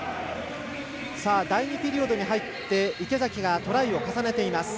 第２ピリオドに入って池崎がトライを重ねています。